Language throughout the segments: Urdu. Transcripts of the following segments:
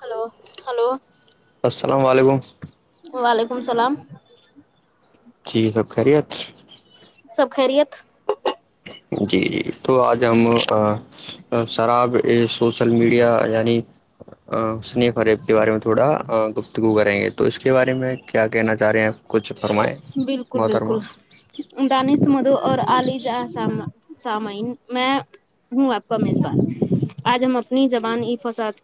ہلو ہلو السلام علیکم وعلیکم اللام جییک ہے سب خیری ات سب خیریت جی جی تو آج ہم شراب یہ سوشل میڈیا یعنی حنیف اریب کے بارے میں تھوڑا گفتگو کریں گے تو اس کے بارے میں کیا کہنا چاہ رہے ہیں کچھ فرمائیں موترماں دانست مدو اور علی ج سامن میں ہوں آپ کا میںزبات آج ہم اپنی زبان ای فساد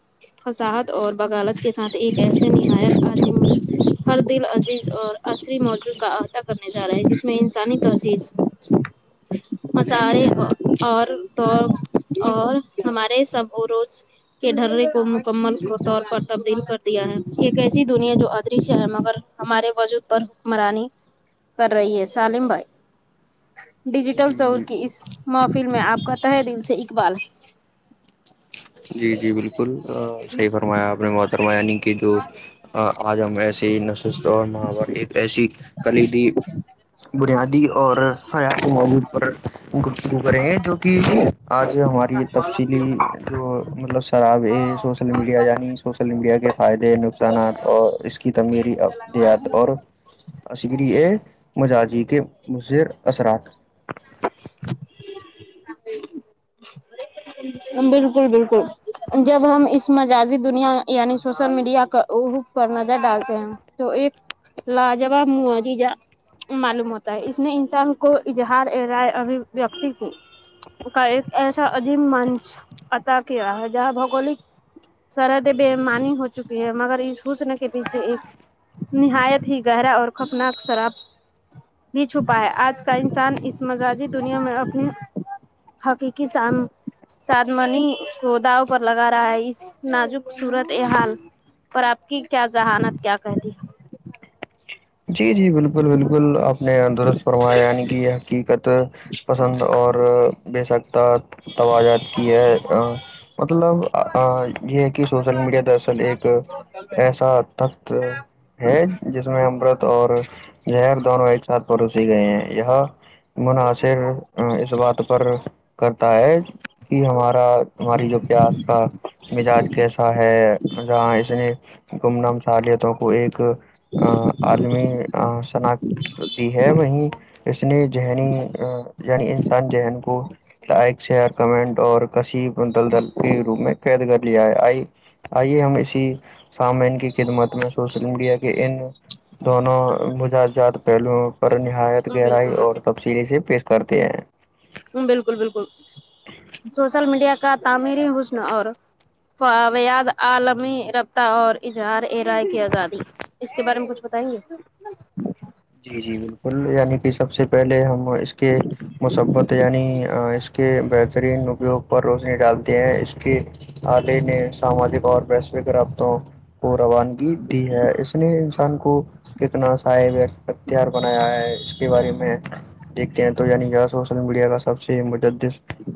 فصاحت اور بغالت کے ساتھ ایک ایسے نہایت عزم ہر دل عزیز اور عصری موجوع کا احاطہ کرنے جا رہے ہیں جس میں انسانی تذیز مسالے اور تو اور ہمارے سب روز کے ڈررے کو مکمل طور پر تبدیل کر دیا ہے ایک ایسی دنیا جو ادرش ہے مگر ہمارے وجود پر حکمرانی کر رہی ہے سالم بھائی ڈیجیٹل جی چور جی کی اس محفل میں آپ کا تہ دل سے اقبال جی جی بالکل صحیح فرمایا آپ نے بہت فرماانی کی تو آج ہم ایسے ہی نشست اور ماںور ایک ایسی کلیدی بنیادی اور حیاتی معود پر گ ڈب رہے ہیں جو کہ آج ہماری تفصیلی جو مطلب شرابے سوشل میڈیا یعنی سوشل میڈیا کے فائدے نقصانات اور اس کی تمیری اب ج ج عشری ہے مجاجی کے مضر اثرات [inaudible] بالکل بالکل جب ہم اس مجازی دنیا یعنی سوشل میڈیا کا او پر نظر ڈالتے ہیں تو ایک لا جباب مج جا معلوم ہوتا اس نے انسان کو اظہار رائے ابوتی کا ایک ایسا عجیب منچ پتا کیا ہے جہاں بوگولک سرحد بےمانی ہو چکی ہے مگر اس حصن کے پیچھے ایک نہایت ہی گہرا اور خفناک شراب بھی چھپا ہے آج کا انسان اس مزاجی دنیا میں اپنی حقیقی سان ساد منی کو داو پر لگا رہا ہے اس نازک صورت حال پر آپ کی کیا ذہانت کیا کہتی جی جی بالکل بالکل آپ نے درست فرمایا یعنی کہ یہ حقیقت پسند اور بے سکتا توجات کی ہے مطلب یہ ہے کہ سوشل میڈیا در اصل ایک ایسا تخت ہے جس میں امرت اور ہر دونوں ایک ساتھ پروسی گئے ہیں یہ مناصر اس بات پر کرتا ہے کہ ہمارا ہماری جو پیاس کا مزاج کیسا ہے جہاں اس نے گمنام صالتوں کو ایک عالمی شناخت دی ہے وہیں اس نے ذہنی یعنی انسان ذہن کو لائک شیئر کمنٹ اور کش دل دل کے روپ میں قید کر لیا ہے آئی آئیے ہم اسی سامین کی خدمت میں سوشل میڈیا کے ان دونوں مجا جات پہلوؤں پر نہایت بالکل گہرائی اور بالکل تفصیلی سے پیش کرتے ہیں بالکل بالکل سوشل میڈیا کا تعمیری حسن اور فویاد عالمی اور اظہارے رائے کی آزادی اس کے بارے میں کچھ بتائیں گے جی جی بالکل یعنی کہ سب سے پہلے ہم اس کے مثبت یعنی اس کے بہترین اپیوگ پر روشنی ڈالتے ہیں اس کے آلے نے ساماجک اور ویشوک رابطوں کو روانگی دی ہے اس نے انسان کو کتنا سا ہتار بنایا ہے اس کے بارے میں دیکھتے ہیں تو یعنی سوشل میڈیا کا سب سے مج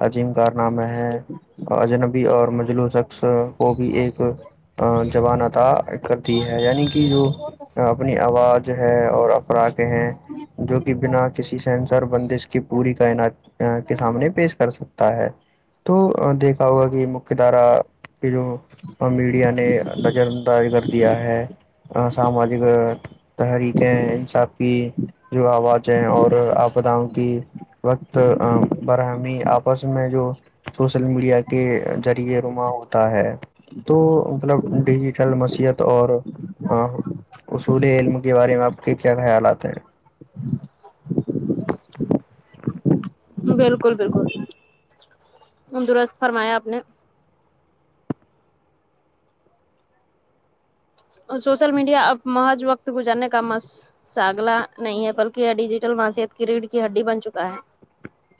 عظیم کارنامہ ہے اجنبی اور مجلوس وہ بھی ایک جوان آتا کرتی ہے یعنی کہ جو اپنی آواز ہے اور افرق ہیں جو کہ بنا کسی سنسار بندش کی پوری کائنات کے سامنے پیش کر سکتا ہے تو دیکھا ہوگا کہ مکھی دارا جو میڈیا نے نجر انداز کر دیا ہے سماجات تحریکیں انصاف کی جو آواز ہے اور آپ بتاؤں کہ وقت فرہمی آپس میں جو سوشل میڈیا کے ذریعے رما ہوتا ہے تو مطلب ڈیجیٹل مصحت اور اصول علم کے بارے میں آپ کے کیا خیالات ہیں بالکل بالکل بالکل درست فرمایا آپ نے سوشل میڈیا اب محض وقت گزارنے کا مس ساگلا نہیں ہے بلکہ یہ ڈیجیٹل ماسیت کی ریڑھ کی ہڈی بن چکا ہے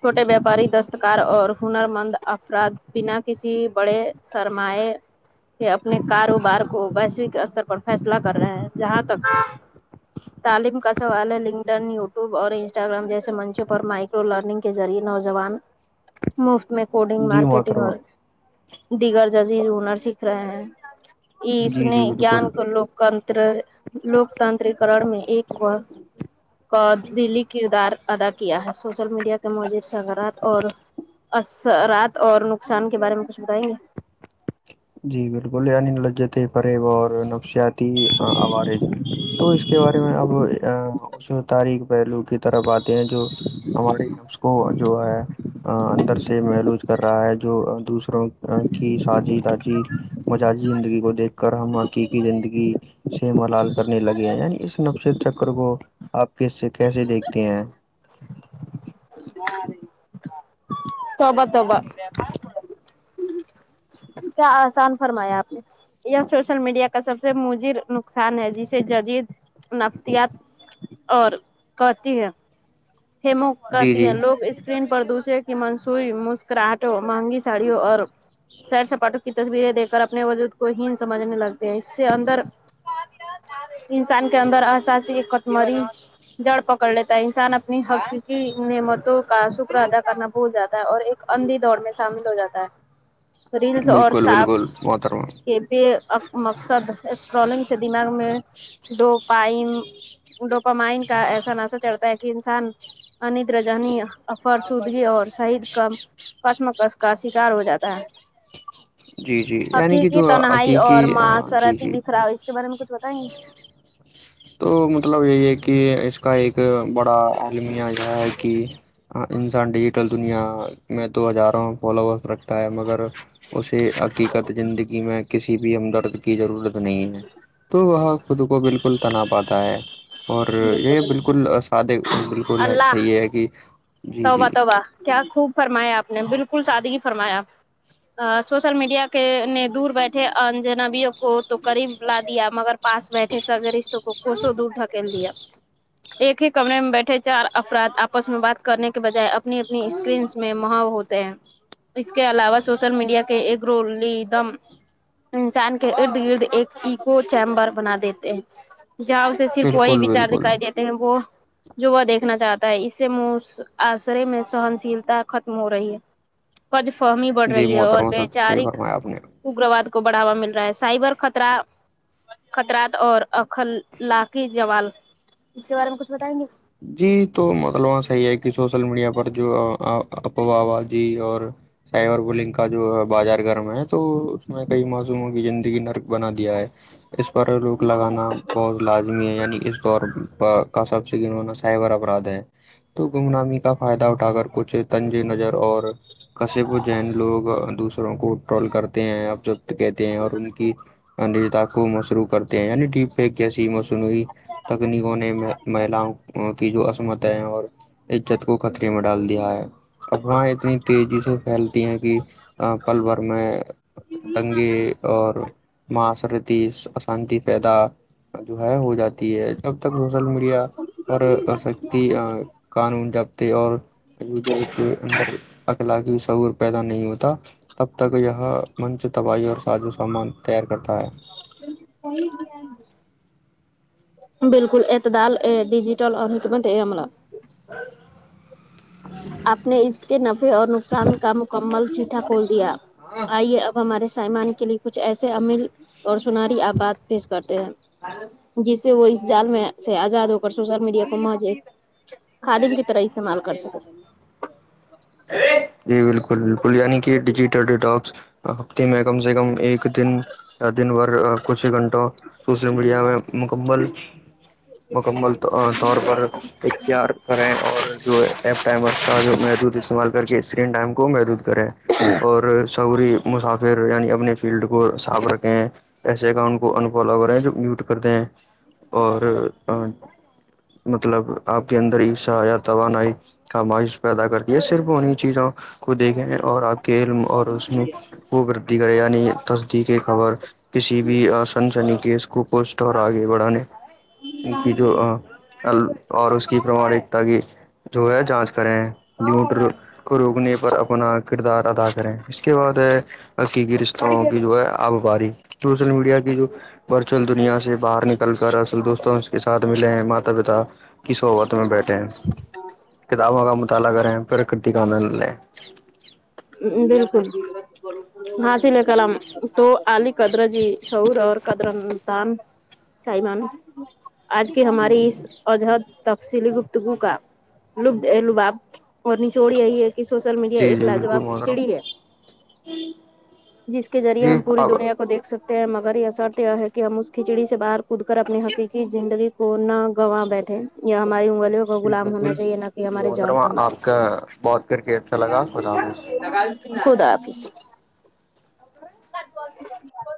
چھوٹے ویاپاری دستکار اور ہنر مند افراد بنا کسی بڑے سرمائے کے اپنے کاروبار کو ویشوک اسر پر فیصلہ کر رہے ہیں جہاں تک تعلیم کا سوال ہے لنک ڈن یوٹیوب اور انسٹاگررام جیسے منچوں پر مائک لرنگ کے ذریعے نوجوان مفت میں کوڈنگ جی مارکیٹنگ محترمہ اور دیگر جزیر ہنر سیکھ رہے ہیں اس جی نے جی بالکل گیان کو لوکتنتر لوکتانتکن میں ایک وہ قدلی کردار ادا کیا ہے سوشل میڈیا کے مج سغرات اور اسرات اور نقصان کے بارے میں کچھ بتائیں گے جی بالکل لجت فریب اور نفسیات ت آوارج تو اس کے بارے میں اب اس میں تاریخ پہلو کی طرف بات ہیں جو ہمارے نفس کو جو ہے اندر سے محلوج کر رہا ہے جو دوسروں کی سجی داجی مزاجی زندگی کو دیکھ کر ہم حقیقی زندگی سے ملال کرنے لگے ہیں یعنی اس نفش چکر کو آپ کس سے کیسے دیکھتے ہیں توبا توبا کیا آسان فرمایا آپ نے یہ سوشل میڈیا کا سب سے مجر نقصان ہے جسے جدید نفسیات اور کہتی ہے ہیمو جی کہتی جی ہیں لوگ اس اسکرین پر دوسرے کی منسوئیی مسکراہٹوں مہنگی ساڑیوں اور سیر سپاٹوں کی تصویریں دیک کر اپنے وجود کو ہیین سمجھنے لگتے ہیں اس سے اندر انسان کے اندر اساسی اٹ مری جڑ پکڑ لیتا ہے انسان اپنی حقیقی نعمتوں کا شکر ادا کرنا بھول جاتا ہے اور ایک اندھی دڑ میں شامل ہو جاتا ہے ریلس اور بالکل بالکل شارپس محترما کے بے مقصد اسکرولنگ سے دماغ میں ڈوپائم ڈوپامائن کا ایسا ناسا چڑتا ہے کہ انسان انت رجانی افر سودگی اور شہید کام کسم کس کا شکار ہو جاتا ہے جی جی یعنی کہ حقیقی جو تنہائی حقیقی اور ہاں، جی معاشرتی جی بکھراؤ اس کے بارے میں کچھ بتائیں گے تو مطلب یہی ہے کہ اس کا ایک بڑا عالمیہ یہ ہے کہ انسان ڈیجیٹل دنیا میں تو جا رہا ہوں فالوورس رکھ ہے مگر اسے حقیقت زندگی میں کیا کسی بھی ہمدرد کی ضرورت نہیں ہے تو وہ خود کو بالکل تنا پاتا ہے اور یہ بالکل سادے بالکل ہے اللہ صحیح ہے کہ جی جی توبہ توبہ کیا خوب فرمایا آپ نے بالکل سادی فرمایا سوشل میڈیا کے نے دور بیٹھے انجنبیوں کو تو قریب لا دیا مگر پاس بیٹھے س اگر رشتوں کو کوشو دور ڈھکن دیا ایک ہی کمرے میں بیٹھے چار افراد آپس میں بات کرنے کے بجائے اپنی اپنی اسکرینس میں ماو ہوتی اس کے علاوہ سوشل میڈیا کے ایک رول دم انسان کے ارد گرد ایک ایو چیمبر بنا دیتے ہیں جہ اسے کوئی بالکل بچار بالکل دکھائی دیتے ہیں وہ جو وہ دیکھنا چاہتا ہے اس سے م آسرے میں سہن شیلتا ختم ہو رہی ہے [inaudible] قج فہمی بڑھ جی رہی ہے اور محترما سب صحیح وچارک فرمایا آپ نے اگرواد کو بڑھاوا مل رہا ہے سائبر خطر خطرات اور اخ کی جوال اس کے بارے میں کچھ بتائیں گے جی تو مطلب وہاں صحیح ہے کہ سوشل میڈیا پر جو اپوا جی اور سیور بولنکا جو بازار گرم ہے تو اس میں کئی موسموں کی زندگی نرک بنا دیا ہے اس پر روک لگانا بہت لازمی ہے یعنی اس دور کا سب سےننا سائبر اپرادھ ہے تو گم نامی کا فائدہ اٹھ اٹا کر کچھ تنجی نظر اور کشپ و جین لوگ دوسروں کو رول کرتے ہیں ا جب کہتے ہیں اور ان کی ان کو مصروع کرتے ہیں یعنی ٹی کیسی مصنوعی تکنیکوں نے کی جو عصمت ہے اور عجت کو خطرے میں ڈال دیا ہے افراہیں اتنی تیزی سے پھیلتی ہیں کہ پل بھر میں دنگے اور ماسرتی شانتی پیدا جو ہے ہو جاتی ہے جب تک سوشل میڈیا اور سکتی قانون جبتے اور کے اندر اخلاقی سعور پیدا نہیں ہوتا تب تک یہ منچ تباہی اور سازو سامان تیار کرتا ہے وہی نہیں بالکل اعتدال ڈیجیٹل اور حکمت ہے عملہب ااں آپ نے اس کے نفے اور نقصان کا مکمل چیٹھا کھول دیا آئیے اب ہمارے سائمان کے لیے کچھ ایسے امل اور سنری آباد پیش کرتے ہیں ہ جس سے وہ اس جال میں سے آزاد ہو کر سوشل میڈیا کو مجے خادم کی طرح استعمال کر سکوں جی بالکل بالکل یعنی کہ ڈیجیٹل ڈیٹاکس ہفتے میں کم سے کم ایک دن یا دن بھر کچھ ہی گھنٹوں سوشل میڈیا میں مکمل مکمل طور پر اختیار کریں اور جو ای ٹائمر کا جو محدود استعمال کر کے اسکرین ٹائم کو محدود کرے اور سعوری مسافر یعنی اپنے فیلڈ صاف رکھیں ہیں ایسے کا ان کو انفالو کریں جو میوٹ کرتے ہیں اور مطلب آپ کے اندر ہیشا توانائی خمائش پیدا کر صرف انہیں چیزوں کو دیکھے اور آپ کے علم اور اس میں وہ وردتی کرے یعنی تصدیق یہ خبر کسی بھی آ سن سنی کیس کو پوسٹ اور آگے بڑھانے کی جو اور اس کی پراماانکتا کی جو ہے جانچ کریں نٹر کو روکنے پر اپنا کردار ادا کریں اس کے بعد ہے حقیقی رشتہوں کی جو ہے آبباری سوشل میڈیا کی جو ورچوئل دنیا سے باہر نکل کل کر اصل دوستوں اس کے ساتھ ملے ہیں ماتا پتا ک صوت میں بیٹھیں ہیں کتابوں کا مطالعہ کریں پرکرت کا آ نند لیں بالکل ہاسی نے کللم تو عال قدر جی سور اور قدرن تان سمان آج کی ہماری اس عجہد تفصیلی گفتگو کا لب لباب اور نچوڑ یہی ہے کہ سوشل میڈیا ایک لاجواب کھچڑی ہے ہوں جس کےذریعے ہم پور دنیا کو دیک سک ہیں ہیں مگر یہ شرط یہ ہے کہ ہم اس کھچڑی سے باہر کود کر اپنی حقیقی زندگی کو نہ گنواں بیٹھے یہیا ہماریے جی ہونا بالکل چاہیے نہ کہ جی ہمارے جان محترمہ کم آپ کا بات کر کے اچھا لگا خدا حافظ خدا حافظ گ ب